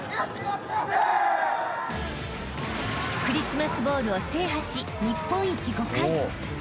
［クリスマスボウルを制覇し日本一５回］